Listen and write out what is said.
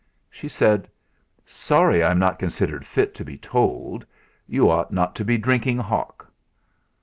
She said: "Sorry I'm not considered fit to be told. You ought not to be drinking hock."